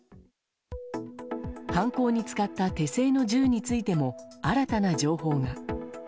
犯行に使った手製の銃についても新たな情報が。